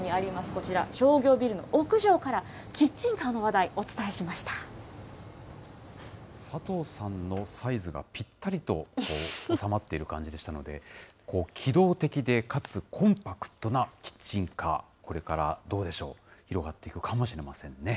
こちら、商業ビルの屋上から、キッ佐藤さんのサイズがぴったりと収まっている感じでしたので、機動的でかつコンパクトなキッチンカー、これからどうでしょう、広がっていくかもしれませんね。